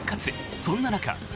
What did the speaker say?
そんな中。